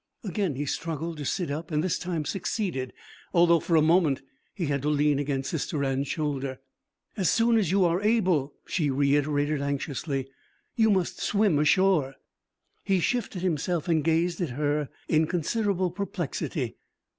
Again he struggled to sit up and this time succeeded, although for a moment he had to lean against Sister Anne's shoulder. 'As soon as you are able,' she reiterated anxiously, 'you must swim ashore.' He shifted himself and gazed at her in considerable perplexity.